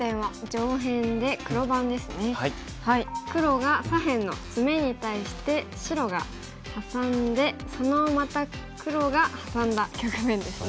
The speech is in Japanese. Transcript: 黒が左辺のツメに対して白がハサんでそのまた黒がハサんだ局面ですね。